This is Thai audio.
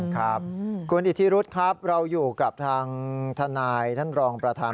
ครับคุณอิทธิรุธครับเราอยู่กับทางทนายท่านรองประธาน